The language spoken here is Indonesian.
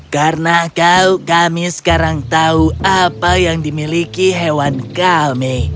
karena kau kami sekarang tahu apa yang dimiliki hewan kami